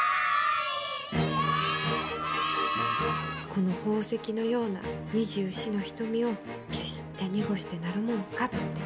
この宝石のような二十四の瞳を決して濁してなるもんかって。